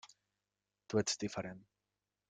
Tu ets diferent.